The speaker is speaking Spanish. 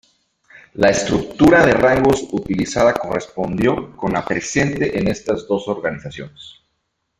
La estructura de rangos utilizada correspondió con la presente en estas dos organizaciones.